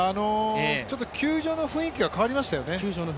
球場の雰囲気が変わりましたよね。